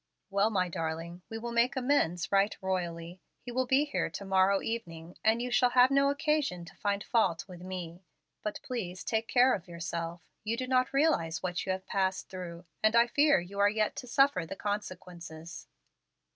"Well, my darling, we will make amends right royally. He will be here to morrow evening, and you shall have no occasion to find fault with me. But please take care of yourself. You do not realize what you have passed through, and I fear you are yet to suffer the consequences."